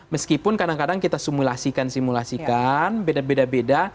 meskipun kadang kadang kita simulasikan simulasikan beda beda